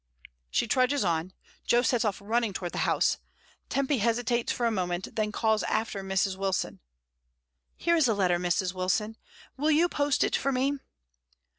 She trudges on , Jo sets off* running towards the house, Tempy hesitates for a moment, and then calls after Mrs. Wilson — "Here is a letter, Mrs. Wilson; will you post it for me?"